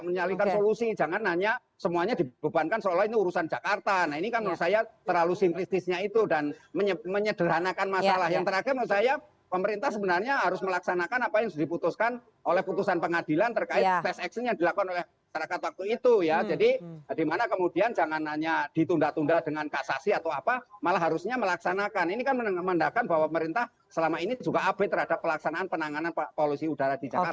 menjalinkan solusi jangan hanya semuanya dibebankan seolah ini urusan jakarta nah ini kan menurut saya terlalu simpistisnya itu dan menyederhanakan masalah yang terakhir menurut saya pemerintah sebenarnya harus melaksanakan apa yang diputuskan oleh putusan pengadilan terkait test action yang dilakukan oleh terakat waktu itu ya jadi dimana kemudian jangan hanya ditunda tunda dengan kasasi atau apa malah harusnya melaksanakan ini kan menandakan bahwa pemerintah selama ini juga abit terhadap pelaksanaan penanganan polusi udara di jakarta mbak